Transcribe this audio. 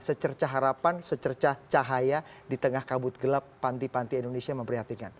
secerca harapan secerca cahaya di tengah kabut gelap panti panti indonesia memprihatinkan